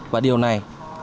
và điều này